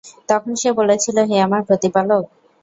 তখন সে বলেছিল, হে আমার প্রতিপালক!